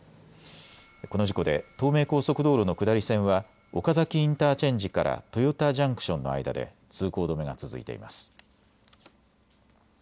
この事故で東名高速道路の下り線は岡崎インターチェンジから豊田ジャンクションの間で通行止めが続いています。